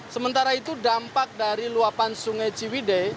sementara itu dampak dari luapan sungai ciwide